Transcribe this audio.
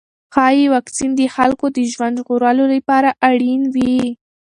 ښايي واکسین د خلکو د ژوند ژغورلو لپاره اړین وي.